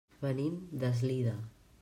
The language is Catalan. Venim d'Eslida.